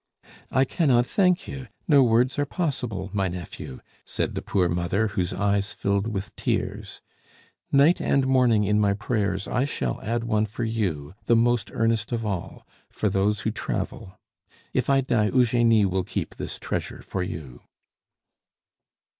"I cannot thank you; no words are possible, my nephew," said the poor mother, whose eyes filled with tears. "Night and morning in my prayers I shall add one for you, the most earnest of all for those who travel. If I die, Eugenie will keep this treasure for you."